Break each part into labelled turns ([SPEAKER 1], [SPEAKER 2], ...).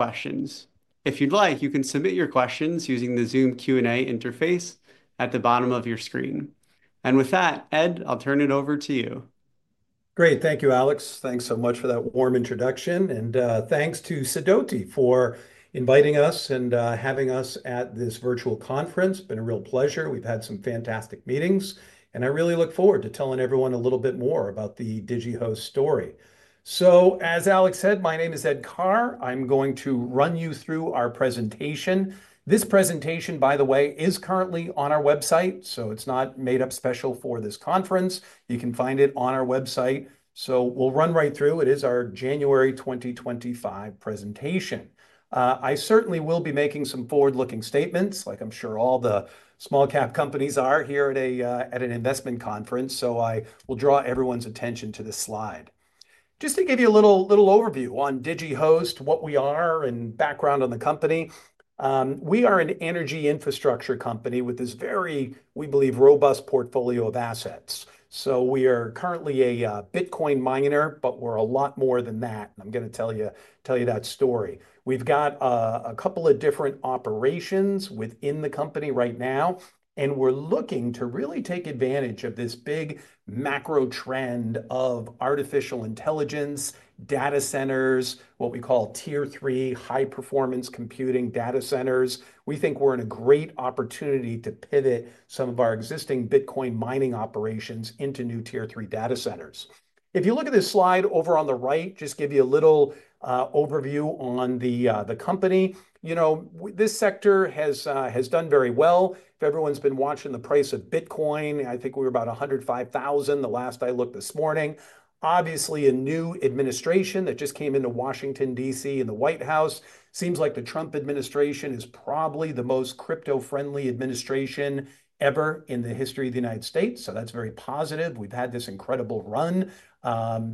[SPEAKER 1] Questions. If you'd like, you can submit your questions using the Zoom Q&A interface at the bottom of your screen. And with that, Ed, I'll turn it over to you.
[SPEAKER 2] Great. Thank you, Alex. Thanks so much for that warm introduction, and thanks to Sidoti for inviting us and having us at this virtual conference. It's been a real pleasure. We've had some fantastic meetings, and I really look forward to telling everyone a little bit more about the Digihost story. As Alex said, my name is Ed Carr. I'm going to run you through our presentation. This presentation, by the way, is currently on our website, so it's not made up special for this conference. You can find it on our website. We'll run right through. It is our January 2025 presentation. I certainly will be making some forward-looking statements, like I'm sure all the small-cap companies are here at an investment conference. I will draw everyone's attention to this slide. Just to give you a little overview on Digihost, what we are, and background on the company. We are an energy infrastructure company with this very, we believe, robust portfolio of assets. So we are currently a Bitcoin miner, but we're a lot more than that. And I'm going to tell you that story. We've got a couple of different operations within the company right now, and we're looking to really take advantage of this big macro trend of artificial intelligence, data centers, what we call Tier 3 high-performance computing data centers. We think we're in a great opportunity to pivot some of our existing Bitcoin mining operations into new Tier 3 data centers. If you look at this slide over on the right, just give you a little overview on the company. You know, this sector has done very well. If everyone's been watching the price of Bitcoin, I think we were about $105,000 the last I looked this morning. Obviously, a new administration that just came into Washington, D.C., and the White House seems like the Trump administration is probably the most crypto-friendly administration ever in the history of the United States, so that's very positive. We've had this incredible run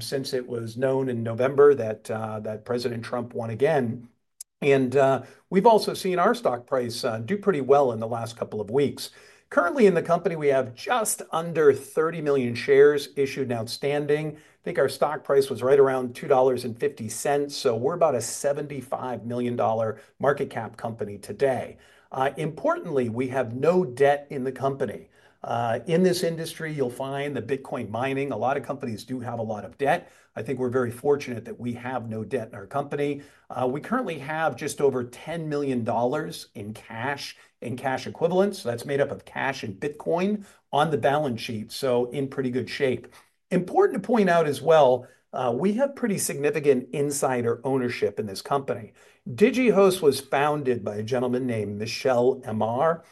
[SPEAKER 2] since it was known in November that President Trump won again, and we've also seen our stock price do pretty well in the last couple of weeks. Currently, in the company, we have just under 30 million shares issued and outstanding. I think our stock price was right around $2.50, so we're about a $75 million market cap company today. Importantly, we have no debt in the company. In this industry, you'll find the Bitcoin mining. A lot of companies do have a lot of debt. I think we're very fortunate that we have no debt in our company. We currently have just over $10 million in cash, in cash equivalents. That's made up of cash and Bitcoin on the balance sheet, so in pretty good shape. Important to point out as well, we have pretty significant insider ownership in this company. Digihost was founded by a gentleman named Michel Amar.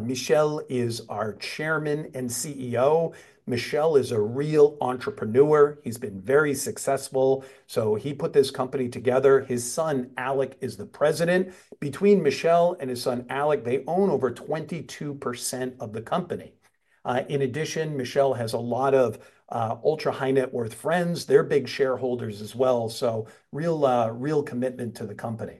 [SPEAKER 2] Michel is our Chairman and CEO. Michel is a real entrepreneur. He's been very successful, so he put this company together. His son, Alec, is the President. Between Michel and his son, Alec, they own over 22% of the company. In addition, Michel has a lot of ultra-high net worth friends. They're big shareholders as well, so real commitment to the company.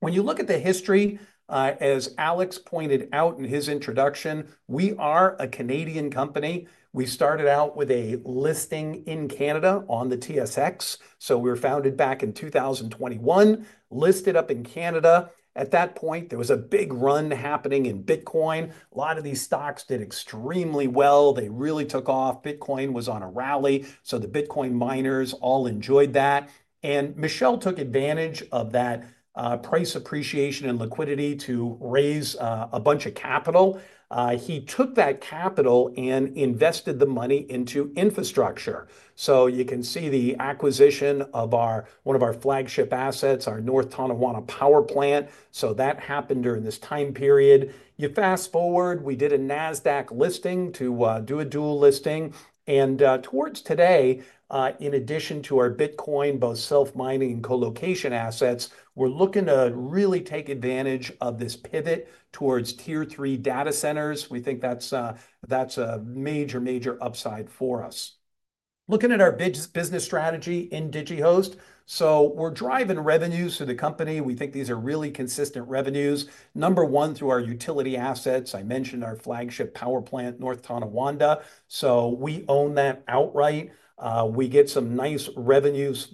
[SPEAKER 2] When you look at the history, as Alex pointed out in his introduction, we are a Canadian company. We started out with a listing in Canada on the TSX, so we were founded back in 2021, listed up in Canada. At that point, there was a big run happening in Bitcoin. A lot of these stocks did extremely well. They really took off. Bitcoin was on a rally, so the Bitcoin miners all enjoyed that, and Michel took advantage of that price appreciation and liquidity to raise a bunch of capital. He took that capital and invested the money into infrastructure, so you can see the acquisition of one of our flagship assets, our North Tonawanda Power Plant, so that happened during this time period. You fast forward, we did a Nasdaq listing to do a dual listing, and towards today, in addition to our Bitcoin, both self-mining and colocationa ssets, we're looking to really take advantage of this pivot towards Tier 3 data centers. We think that's a major, major upside for us. Looking at our business strategy in Digihost, so we're driving revenues for the company. We think these are really consistent revenues. Number one, through our utility assets, I mentioned our flagship power plant, North Tonawanda, so we own that outright. We get some nice revenues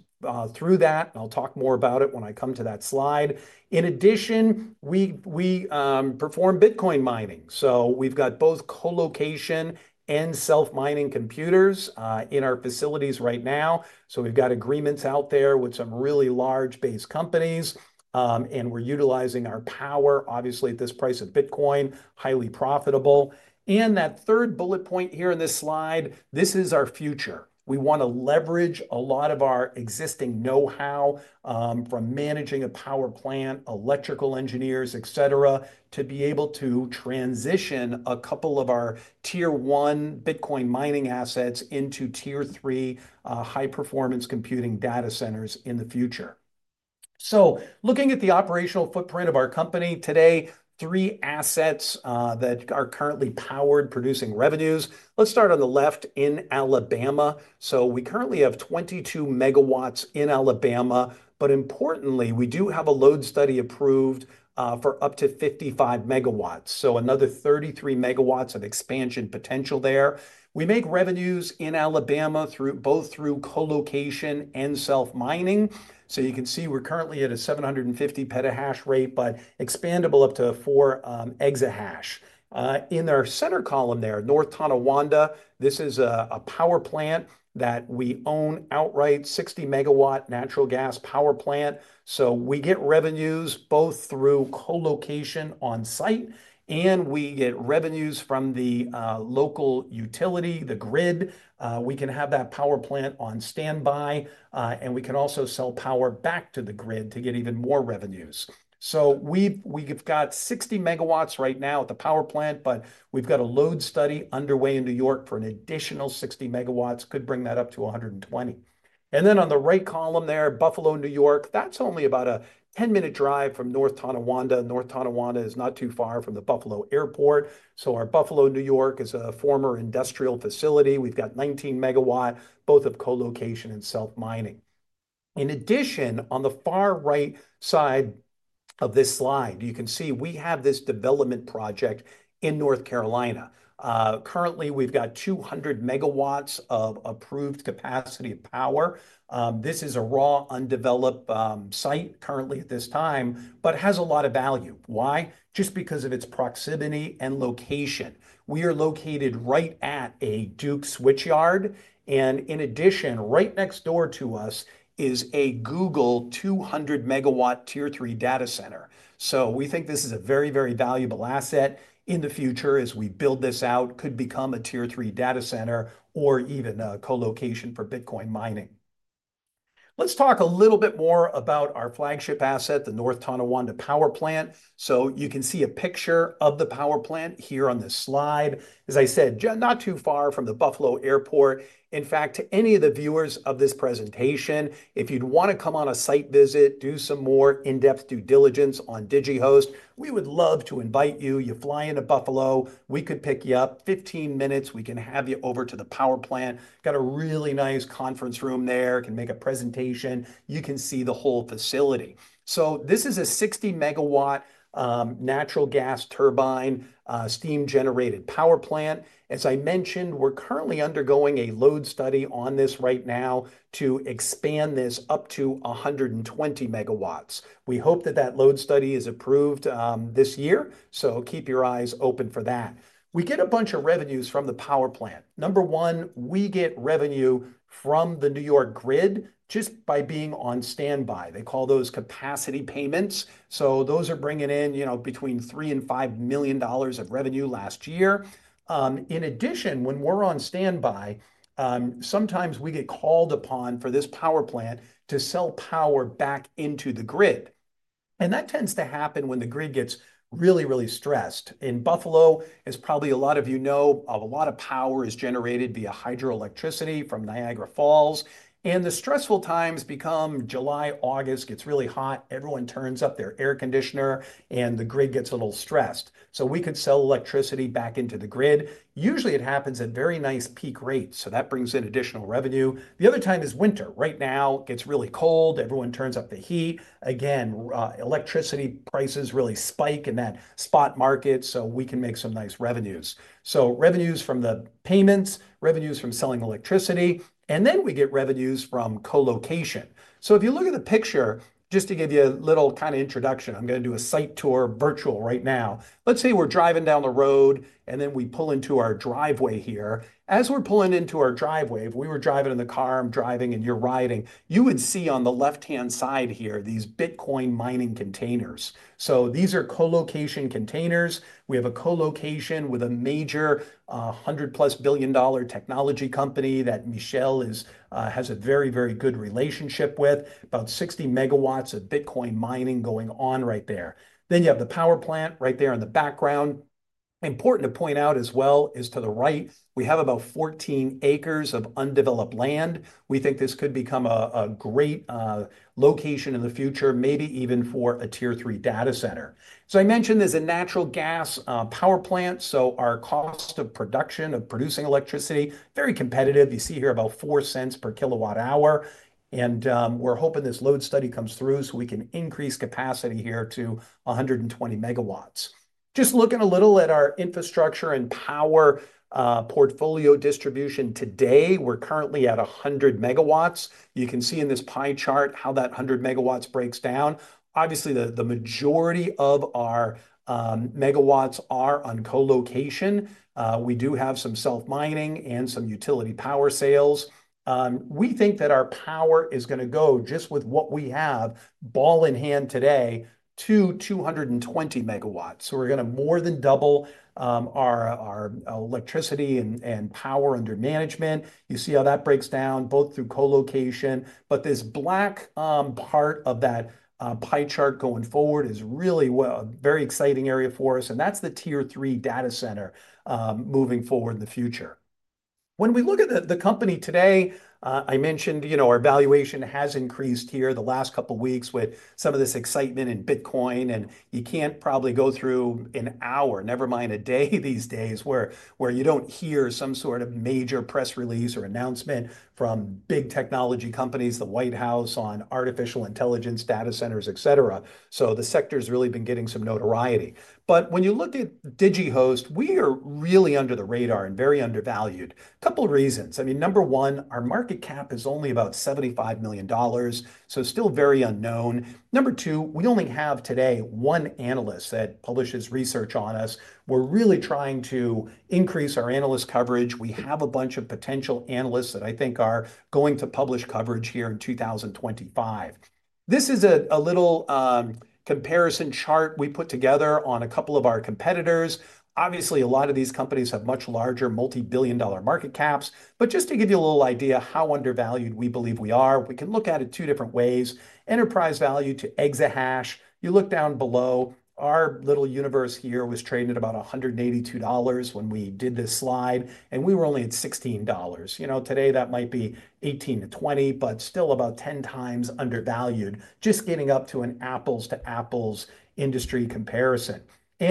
[SPEAKER 2] through that. I'll talk more about it when I come to that slide. In addition, we perform Bitcoin mining, so we've got both colocation and self-mining computers in our facilities right now, so we've got agreements out there with some really large-based companies, and we're utilizing our power, obviously, at this price of Bitcoin, highly profitable, and that third bullet point here in this slide, this is our future. We want to leverage a lot of our existing know-how from managing a power plant, electrical engineers, etc., to be able to transition a couple of our Tier 1 Bitcoin mining assets into Tier 3 high-performance computing data centers in the future. So looking at the operational footprint of our company today, three assets that are currently powered producing revenues. Let's start on the left in Alabama. So we currently have 22 MW in Alabama. But importantly, we do have a load study approved for up to 55 MW. So another 33 MW of expansion potential there. We make revenues in Alabama both through colocation and self-mining. So you can see we're currently at a 750 petahash rate, but expandable up to four exahash. In our center column there, North Tonawanda, this is a power plant that we own outright, 60 MW natural gas power plant. So we get revenues both through colocation on site, and we get revenues from the local utility, the grid. We can have that power plant on standby, and we can also sell power back to the grid to get even more revenues. So we've got 60 MW right now at the power plant, but we've got a load study underway in New York for an additional 60 MW. Could bring that up to 120. And then on the right column there, Buffalo, New York, that's only about a 10-minute drive from North Tonawanda. North Tonawanda is not too far from the Buffalo Airport. So our Buffalo, New York is a former industrial facility. We've got 19 MW, both of colocation and self-mining. In addition, on the far right side of this slide, you can see we have this development project in North Carolina. Currently, we've got 200 MW of approved capacity of power. This is a raw, undeveloped site currently at this time, but has a lot of value. Why? Just because of its proximity and location. We are located right at a Duke switchyard, and in addition, right next door to us is a Google 200 MW Tier 3 data center. So we think this is a very, very valuable asset in the future as we build this out, could become a Tier 3 data center or even a colocation for Bitcoin mining. Let's talk a little bit more about our flagship asset, the North Tonawanda Power Plant, so you can see a picture of the power plant here on this slide. As I said, not too far from the Buffalo Airport. In fact, to any of the viewers of this presentation, if you'd want to come on a site visit, do some more in-depth due diligence on Digihost, we would love to invite you. You fly into Buffalo, we could pick you up 15 minutes. We can have you over to the power plant. Got a really nice conference room there. Can make a presentation. You can see the whole facility, so this is a 60-megawatt natural gas turbine, steam-generated power plant. As I mentioned, we're currently undergoing a load study on this right now to expand this up to 120 MW. We hope that that load study is approved this year, so keep your eyes open for that. We get a bunch of revenues from the power plant. Number one, we get revenue from the New York grid just by being on standby. They call those capacity payments. Those are bringing in between $3 million and $5 million of revenue last year. In addition, when we're on standby, sometimes we get called upon for this power plant to sell power back into the grid. And that tends to happen when the grid gets really, really stressed. In Buffalo, as probably a lot of you know, a lot of power is generated via hydroelectricity from Niagara Falls. And the stressful times become July, August, gets really hot. Everyone turns up their air conditioner, and the grid gets a little stressed. So we could sell electricity back into the grid. Usually, it happens at very nice peak rates. So that brings in additional revenue. The other time is winter. Right now, it gets really cold. Everyone turns up the heat. Again, electricity prices really spike in that spot market. So we can make some nice revenues. So revenues from the payments, revenues from selling electricity, and then we get revenues from colocation, so if you look at the picture, just to give you a little kind of introduction, I'm going to do a site tour virtual right now. Let's say we're driving down the road, and then we pull into our driveway here. As we're pulling into our driveway, if we were driving in the car, I'm driving, and you're riding, you would see on the left-hand side here these Bitcoin mining containers, so these are colocation containers. We have a colocation with a major $100 plus billion technology company that Michel has a very, very good relationship with, about 60 MW of Bitcoin mining going on right there, then you have the power plant right there in the background. Important to point out as well is, to the right, we have about 14 acres of undeveloped land. We think this could become a great location in the future, maybe even for a Tier 3 data center, so I mentioned there's a natural gas power plant, so our cost of production, of producing electricity, very competitive. You see here about $0.04 per kWh, and we're hoping this load study comes through so we can increase capacity here to 120 MW. Just looking a little at our infrastructure and power portfolio distribution today, we're currently at 100 MW. You can see in this pie chart how that 100 MW breaks down. Obviously, the majority of our megawatts are on colocation. We do have some self-mining and some utility power sales. We think that our power is going to go just with what we have, ball in hand today, to 220 MW, so we're going to more than double our electricity and power under management. You see how that breaks down both through colocation, but this black part of that pie chart going forward is really a very exciting area for us, and that's the Tier 3 data center moving forward in the future. When we look at the company today, I mentioned our valuation has increased here the last couple of weeks with some of this excitement in Bitcoin, and you can't probably go through an hour, never mind a day these days where you don't hear some sort of major press release or announcement from big technology companies, the White House on artificial intelligence data centers, etc., so the sector's really been getting some notoriety. But when you look at Digihost, we are really under the radar and very undervalued. A couple of reasons. I mean, number one, our market cap is only about $75 million. So still very unknown. Number two, we only have today one analyst that publishes research on us. We're really trying to increase our analyst coverage. We have a bunch of potential analysts that I think are going to publish coverage here in 2025. This is a little comparison chart we put together on a couple of our competitors. Obviously, a lot of these companies have much larger multi-billion dollar market caps. But just to give you a little idea how undervalued we believe we are, we can look at it two different ways. Enterprise value to exahash. You look down below. Our little universe here was traded at about $182 when we did this slide, and we were only at $16. You know, today that might be $18-$20, but still about 10 times undervalued, just getting up to an apples-to-apples industry comparison.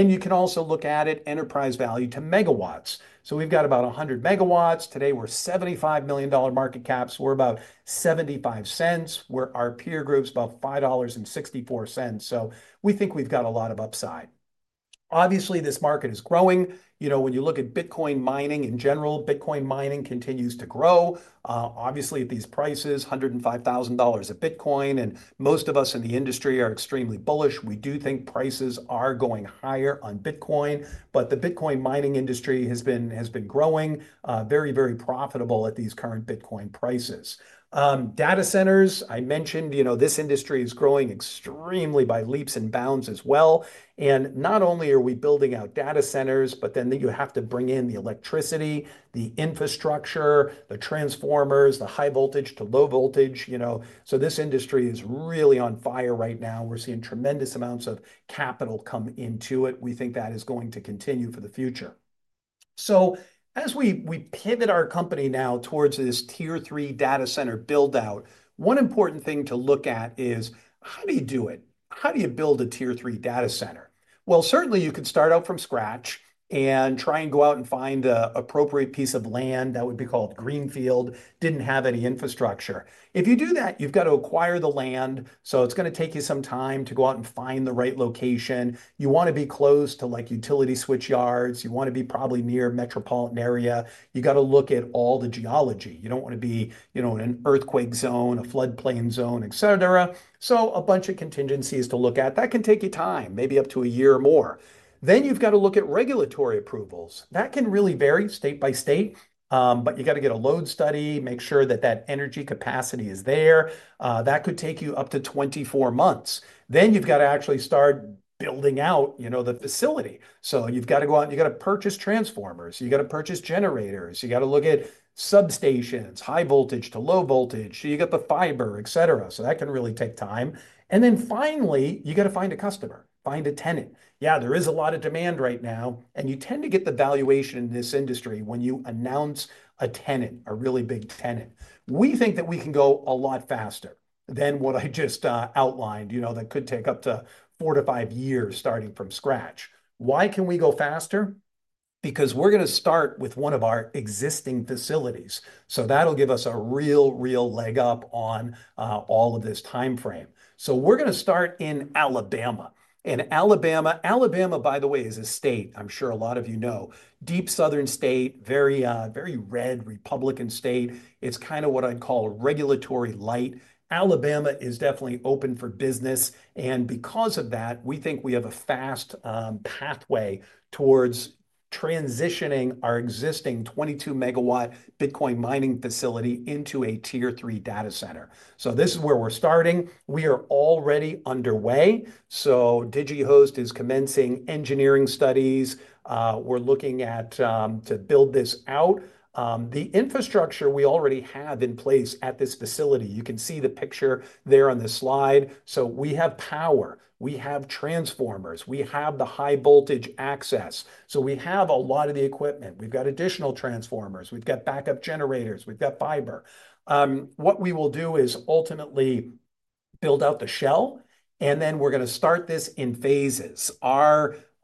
[SPEAKER 2] You can also look at it enterprise value to megawatts. So we've got about 100 MW. Today we're $75 million market caps. We're about $0.75. Our peer group's about $5.64. So we think we've got a lot of upside. Obviously, this market is growing. You know, when you look at Bitcoin mining in general, Bitcoin mining continues to grow. Obviously, at these prices, $105,000 a Bitcoin. Most of us in the industry are extremely bullish. We do think prices are going higher on Bitcoin. But the Bitcoin mining industry has been growing very, very profitable at these current Bitcoin prices. Data centers, I mentioned, you know, this industry is growing extremely by leaps and bounds as well. And not only are we building out data centers, but then you have to bring in the electricity, the infrastructure, the transformers, the high voltage to low voltage. You know, so this industry is really on fire right now. We're seeing tremendous amounts of capital come into it. We think that is going to continue for the future. So as we pivot our company now towards this Tier 3 data center buildout, one important thing to look at is how do you do it? How do you build a Tier 3 data center? Certainly you could start out from scratch and try and go out and find an appropriate piece of land that would be called greenfield, didn't have any infrastructure. If you do that, you've got to acquire the land, so it's going to take you some time to go out and find the right location. You want to be close to like utility switchyards. You want to be probably near metropolitan area. You got to look at all the geology. You don't want to be in an earthquake zone, a floodplain zone, etc., so a bunch of contingencies to look at. That can take you time, maybe up to a year or more, then you've got to look at regulatory approvals. That can really vary state by state, but you got to get a load study, make sure that that energy capacity is there. That could take you up to 24 months, then you've got to actually start building out the facility, so you've got to go out and you got to purchase transformers, you got to purchase generators, you got to look at substations, high voltage to low voltage, so you got the fiber, etc., so that can really take time, and then finally, you got to find a customer, find a tenant. Yeah, there is a lot of demand right now, and you tend to get the valuation in this industry when you announce a tenant, a really big tenant. We think that we can go a lot faster than what I just outlined. You know, that could take up to four to five years starting from scratch. Why can we go faster? Because we're going to start with one of our existing facilities. So that'll give us a real, real leg up on all of this time frame. So we're going to start in Alabama. And Alabama, Alabama, by the way, is a state, I'm sure a lot of you know, deep southern state, very, very red Republican state. It's kind of what I'd call a regulatory light. Alabama is definitely open for business. And because of that, we think we have a fast pathway towards transitioning our existing 22 MWBitcoin mining facility into a Tier 3 data center. So this is where we're starting. We are already underway. So Digihost is commencing engineering studies. We're looking at to build this out. The infrastructure we already have in place at this facility, you can see the picture there on the slide. So we have power. We have transformers. We have the high-voltage access. So we have a lot of the equipment. We've got additional transformers. We've got backup generators. We've got fiber. What we will do is ultimately build out the shell. And then we're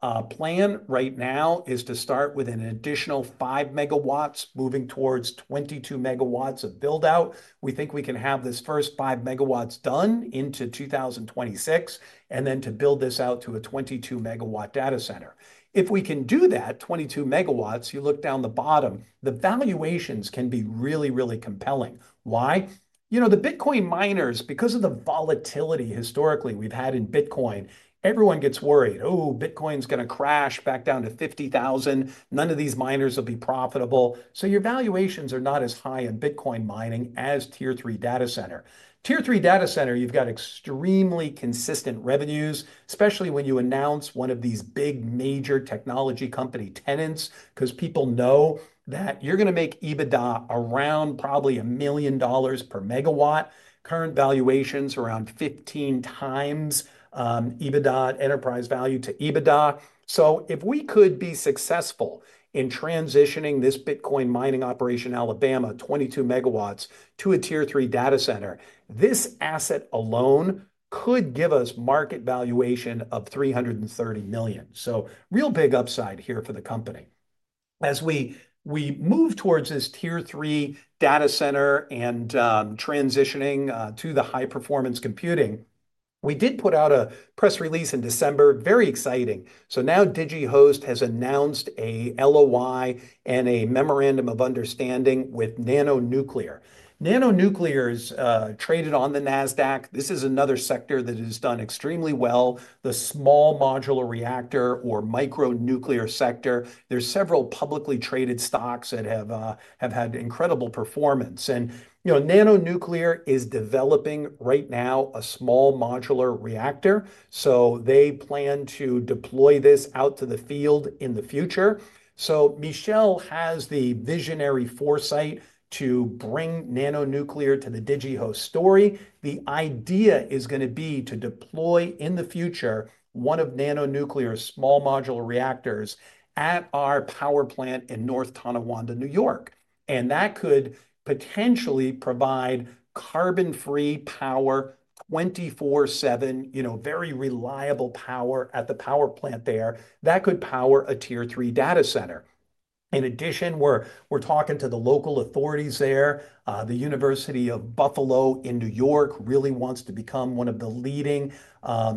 [SPEAKER 2] going to start this in phases. Our plan right now is to start with an additional 5 MW, moving towards 22 MW of buildout. We think we can have this first 5 MW done into 2026, and then to build this out to a 22 MW data center. If we can do that, 22 MW, you look down the bottom, the valuations can be really, really compelling. Why? You know, the Bitcoin miners, because of the volatility historically we've had in Bitcoin, everyone gets worried, oh, Bitcoin's going to crash back down to $50,000. None of these miners will be profitable. So your valuations are not as high in Bitcoin mining as Tier 3 data center. Tier 3 data center. You've got extremely consistent revenues, especially when you announce one of these big major technology company tenants, because people know that you're going to make EBITDA around probably $1 million per MW. Current valuations around 15 times EBITDA, enterprise value to EBITDA. If we could be successful in transitioning this Bitcoin mining operation, Alabama, 22 MW to a Tier 3 data center, this asset alone could give us market valuation of $330 million. Real big upside here for the company. As we move towards this Tier 3 data center and transitioning to the high-performance computing, we did put out a press release in December, very exciting. Now Digihost has announced a LOI and a memorandum of understanding with NANO Nuclear. NANO Nuclear is traded on the Nasdaq. This is another sector that has done extremely well, the small modular reactor or micronuclear sector. There's several publicly traded stocks that have had incredible performance. You know, NANO Nuclear is developing right now a small modular reactor. They plan to deploy this out to the field in the future. Michel has the visionary foresight to bring NANO Nuclear to the Digihost story. The idea is going to be to deploy in the future one of NANO Nuclear's small modular reactors at our power plant in North Tonawanda, New York. That could potentially provide carbon-free power 24/7, you know, very reliable power at the power plant there that could power a Tier 3 data center. In addition, we're talking to the local authorities there. The University at Buffalo in New York really wants to become one of the leading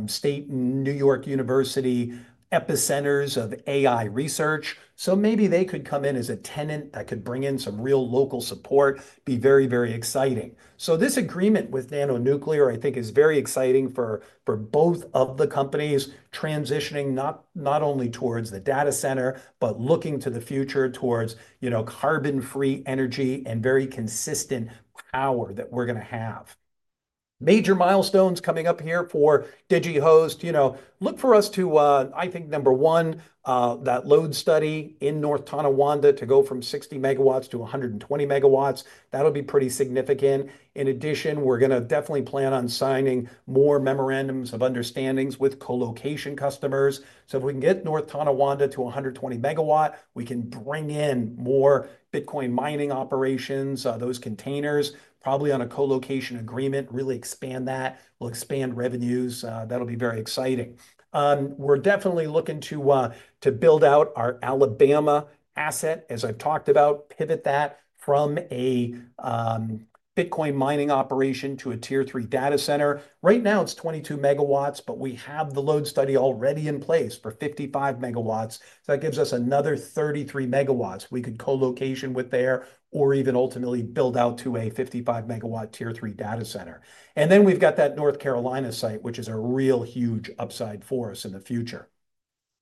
[SPEAKER 2] state New York university epicenters of AI research. So maybe they could come in as a tenant that could bring in some real local support, be very, very exciting. So this agreement with NANO Nuclear, I think, is very exciting for both of the companies transitioning not only towards the data center, but looking to the future towards, you know, carbon-free energy and very consistent power that we're going to have. Major milestones coming up here for Digihost. You know, look for us to, I think, number one, that load study in North Tonawanda to go from 60 MW to 120 MW. That'll be pretty significant. In addition, we're going to definitely plan on signing more memorandums of understandings with colocation customers. So if we can get North Tonawanda to 120 MW, we can bring in more Bitcoin mining operations, those containers, probably on a colocation agreement, really expand that, will expand revenues. That'll be very exciting. We're definitely looking to build out our Alabama asset, as I've talked about, pivot that from a Bitcoin mining operation to a Tier 3 data center. Right now it's 22 MW, but we have the load study already in place for 55 MW. So that gives us another 33 megawatts we could colocation with there or even ultimately build out to a 55 MW Tier 3 data center. And then we've got that North Carolina site, which is a real huge upside for us in the future.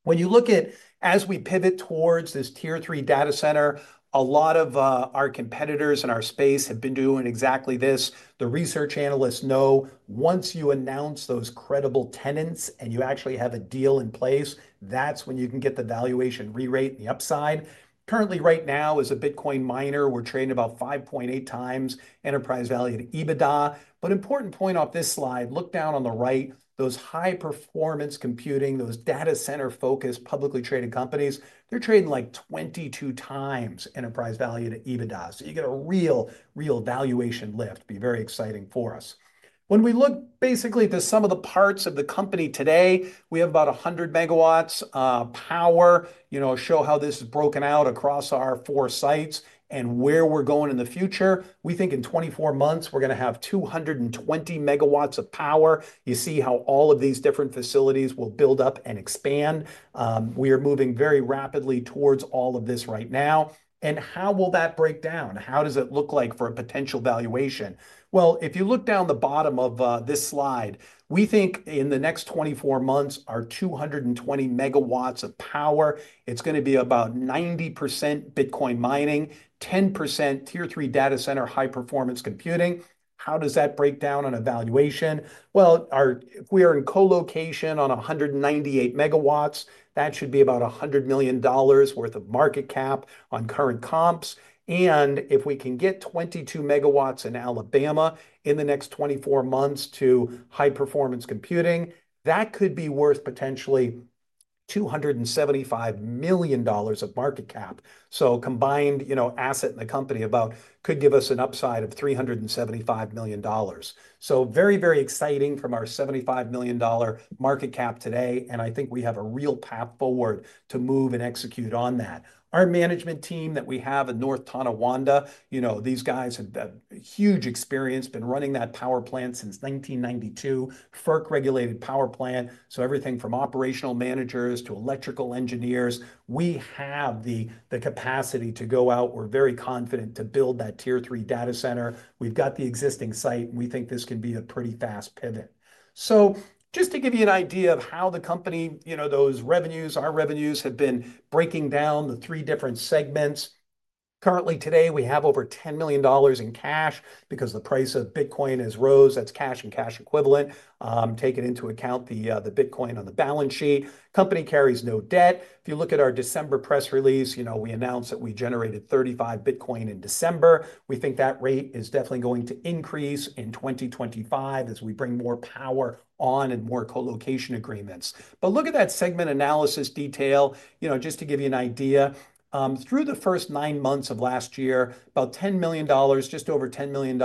[SPEAKER 2] When you look at, as we pivot towards this Tier 3 data center, a lot of our competitors in our space have been doing exactly this. The research analysts know once you announce those credible tenants and you actually have a deal in place, that's when you can get the valuation re-rate and the upside. Currently, right now, as a Bitcoin miner, we're trading about 5.8x enterprise value to EBITDA. But important point off this slide, look down on the right, those high performance computing, those data center focused publicly traded companies, they're trading like 22x enterprise value to EBITDA. So you get a real, real valuation lift, be very exciting for us. When we look basically to some of the parts of the company today, we have about 100 MW power, you know, show how this is broken out across our four sites and where we're going in the future. We think in 24 months we're going to have 220 MW of power. You see how all of these different facilities will build up and expand. We are moving very rapidly towards all of this right now. And how will that break down? How does it look like for a potential valuation? Well, if you look down the bottom of this slide, we think in the next 24 months our 220 MW of power, it's going to be about 90% Bitcoin mining, 10% Tier 3 data center high performance computing. How does that break down on a valuation? Well, if we are in colocation on 198 megawatts, that should be about $100 million worth of market cap on current comps. And if we can get 22 MW in Alabama in the next 24 months to high performance computing, that could be worth potentially $275 million of market cap. So combined, you know, asset in the company about could give us an upside of $375 million. So very, very exciting from our $75 million market cap today. And I think we have a real path forward to move and execute on that. Our management team that we have at North Tonawanda, you know, these guys have huge experience been running that power plant since 1992, FERC regulated power plant. So everything from operational managers to electrical engineers, we have the capacity to go out. We're very confident to build that Tier 3 data center. We've got the existing site. We think this can be a pretty fast pivot. So just to give you an idea of how the company, you know, those revenues, our revenues have been breaking down the three different segments. Currently today, we have over $10 million in cash because the price of Bitcoin has rose. That's cash and cash equivalent. Take into account the Bitcoin on the balance sheet. Company carries no debt. If you look at our December press release, you know, we announced that we generated 35 Bitcoin in December. We think that rate is definitely going to increase in 2025 as we bring more power on and more colocation agreements, but look at that segment analysis detail, you know, just to give you an idea. Through the first nine months of last year, about $10 million, just over $10 million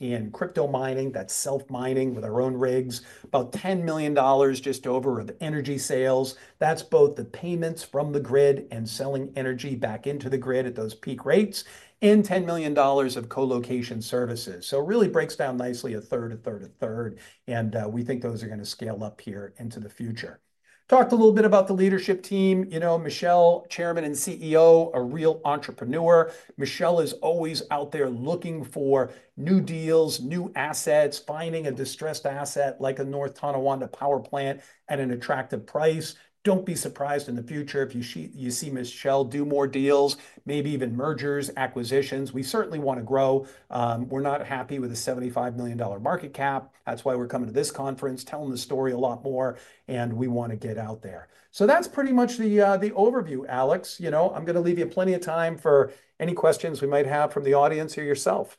[SPEAKER 2] in crypto mining, that's self mining with our own rigs, about $10 million just over of energy sales. That's both the payments from the grid and selling energy back into the grid at those peak rates and $10 million of colocation services, so it really breaks down nicely a third, a third, a third, and we think those are going to scale up here into the future. Talked a little bit about the leadership team. You know, Michel, Chairman and CEO, a real entrepreneur. Michel is always out there looking for new deals, new assets, finding a distressed asset like a North Tonawanda Power Plant at an attractive price. Don't be surprised in the future if you see Michel do more deals, maybe even mergers, acquisitions. We certainly want to grow. We're not happy with a $75 million market cap. That's why we're coming to this conference, telling the story a lot more. And we want to get out there. So that's pretty much the overview, Alex. You know, I'm going to leave you plenty of time for any questions we might have from the audience or yourself.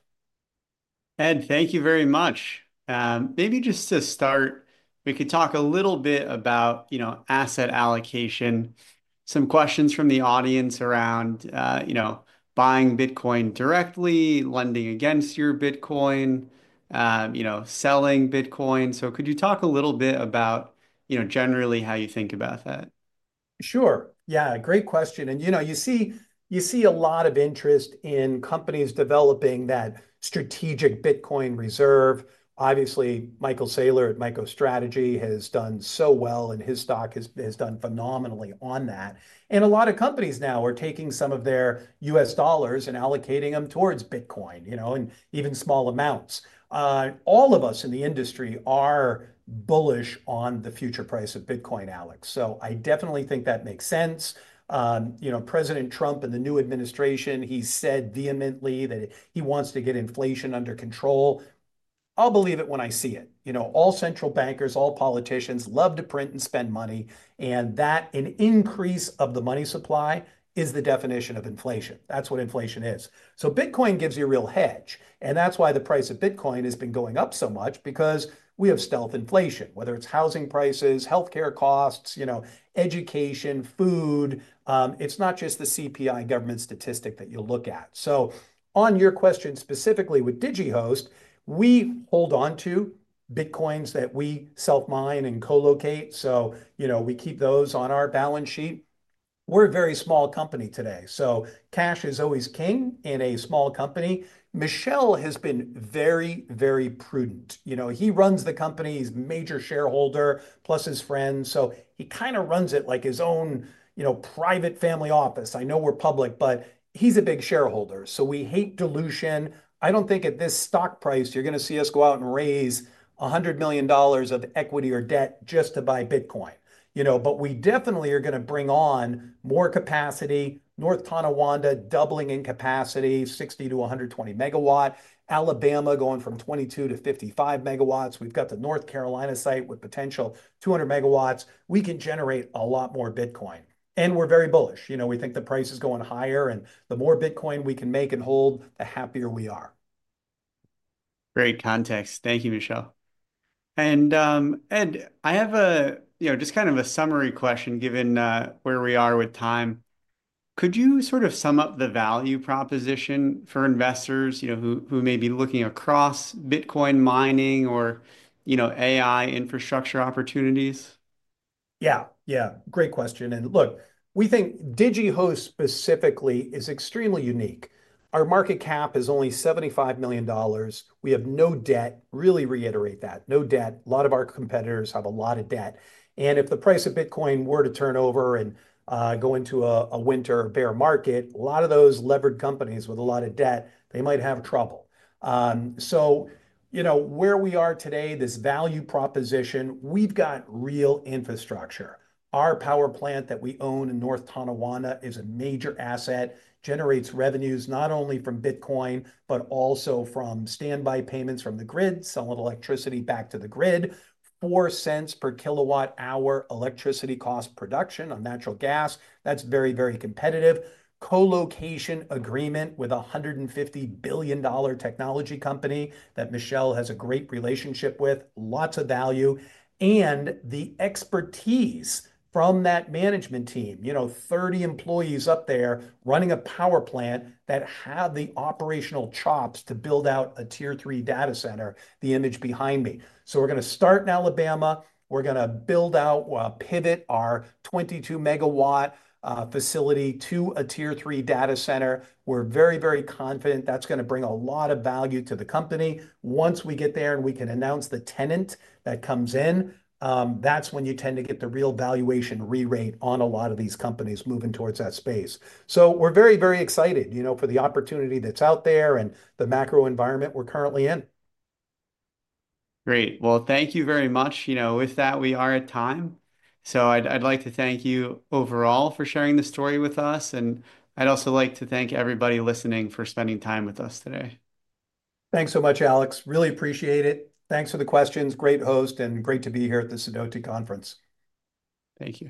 [SPEAKER 1] Ed, thank you very much. Maybe just to start, we could talk a little bit about, you know, asset allocation, some questions from the audience around, you know, buying Bitcoin directly, lending against your Bitcoin, you know, selling Bitcoin. So could you talk a little bit about, you know, generally how you think about that? Sure. Yeah, great question. And you know, you see a lot of interest in companies developing that strategic Bitcoin reserve. Obviously, Michael Saylor at MicroStrategy has done so well and his stock has done phenomenally on that. And a lot of companies now are taking some of their U.S. dollars and allocating them towards Bitcoin, you know, and even small amounts. All of us in the industry are bullish on the future price of Bitcoin, Alex. So I definitely think that makes sense. You know, President Trump and the new administration, he said vehemently that he wants to get inflation under control. I'll believe it when I see it. You know, all central bankers, all politicians love to print and spend money. And that an increase of the money supply is the definition of inflation. That's what inflation is. So Bitcoin gives you a real hedge. And that's why the price of Bitcoin has been going up so much, because we have stealth inflation, whether it's housing prices, healthcare costs, you know, education, food. It's not just the CPI government statistic that you'll look at. So on your question specifically with Digihost, we hold on to Bitcoins that we self mine and colocate. So, you know, we keep those on our balance sheet. We're a very small company today. So cash is always king in a small company. Michel has been very, very prudent. You know, he runs the company, he's a major shareholder, plus his friends. So he kind of runs it like his own, you know, private family office. I know we're public, but he's a big shareholder. We hate dilution. I don't think at this stock price you're going to see us go out and raise $100 million of equity or debt just to buy Bitcoin, you know, but we definitely are going to bring on more capacity. North Tonawanda doubling in capacity, 60 MW-120 MW. Alabama going from 22 MW-55 MW. We've got the North Carolina site with potential 200 MW. We can generate a lot more Bitcoin. And we're very bullish. You know, we think the price is going higher. And the more Bitcoin we can make and hold, the happier we are. Great context. Thank you, Michel. And, Ed, I have, you know, just kind of a summary question given where we are with time. Could you sort of sum up the value proposition for investors, you know, who may be looking across Bitcoin mining or, you know, AI infrastructure opportunities?
[SPEAKER 2] Yeah, yeah, great question, and look, we think Digihost specifically is extremely unique. Our market cap is only $75 million. We have no debt, really reiterate that, no debt. A lot of our competitors have a lot of debt. And if the price of Bitcoin were to turn over and go into a winter bear market, a lot of those levered companies with a lot of debt, they might have trouble, so, you know, where we are today, this value proposition, we've got real infrastructure. Our power plant that we own in North Tonawanda is a major asset, generates revenues not only from Bitcoin, but also from standby payments from the grid, selling electricity back to the grid, $0.04 per kilowatt hour electricity cost production on natural gas. That's very, very competitive. Colocation agreement with a $150 billion technology company that Michel has a great relationship with, lots of value, and the expertise from that management team, you know, 30 employees up there running a power plant that have the operational chops to build out a Tier 3 data center, the image behind me, so we're going to start in Alabama. We're going to build out, pivot our 22 MW facility to a Tier 3 data center. We're very, very confident that's going to bring a lot of value to the company. Once we get there and we can announce the tenant that comes in, that's when you tend to get the real valuation re-rate on a lot of these companies moving towards that space. So we're very, very excited, you know, for the opportunity that's out there and the macro environment we're currently in.
[SPEAKER 1] Great. Well, thank you very much. You know, with that, we are at time. So I'd like to thank you overall for sharing the story with us. And I'd also like to thank everybody listening for spending time with us today.
[SPEAKER 2] Thanks so much, Alex. Really appreciate it. Thanks for the questions. Great host and great to be here at the Sidoti Conference.
[SPEAKER 1] Thank you.